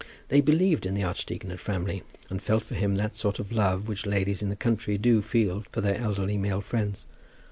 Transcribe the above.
They believed in the archdeacon at Framley, and felt for him that sort of love which ladies in the country do feel for their elderly male friends.